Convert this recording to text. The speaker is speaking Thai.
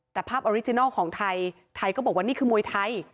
แต่ภาพออริจินัลของไทยไทยก็บอกว่านี่คือมวยไทย